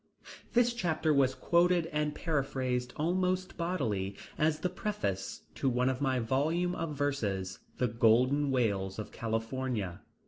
This chapter was quoted and paraphrased almost bodily as the preface to my volume of verses, The Golden Whales of California.